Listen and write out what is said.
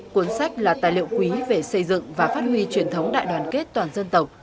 cuốn sách là tài liệu quý về xây dựng và phát huy truyền thống đại đoàn kết toàn dân tộc